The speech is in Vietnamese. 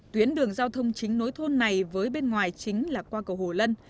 tuyến đường giao thông chính nối thôn này với bên ngoài chính là qua cầu hồ lân